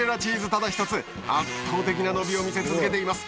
圧倒的な伸びを見せ続けています。